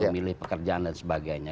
memilih pekerjaan dan sebagainya